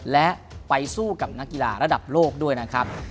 และไปสู้กับนักกีฬาระดับโลกด้วยนะครับ